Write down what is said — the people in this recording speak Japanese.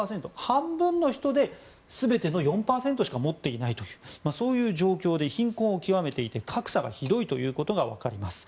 半分の人で全ての４％しか持っていないというそういう状況で貧困を極めていて格差がひどいことが分かります。